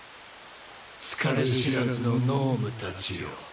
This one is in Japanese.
疲れ知らずの脳無達よ